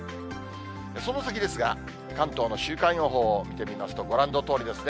その先ですが、関東の週間予報を見てみますと、ご覧のとおりですね。